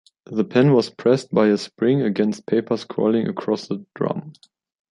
The pen was pressed by a spring against paper scrolling across the drum.